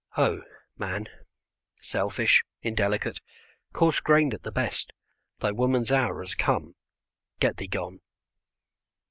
Oh, man, selfish, indelicate, coarse grained at the best, thy woman's hour has come; get thee gone.